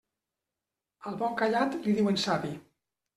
Al bon callat li diuen savi.